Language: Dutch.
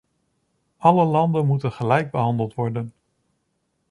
Alle landen moeten gelijk behandeld worden.